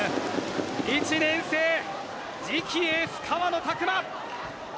１年生次期エース・川野琢磨！